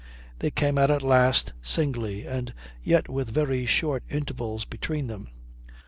They came out at last singly, and yet with very short intervals between them.